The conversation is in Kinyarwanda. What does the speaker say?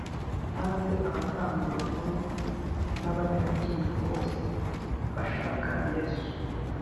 Maze abatambyi bakuru n’abanyarukiko bose bashaka Yesu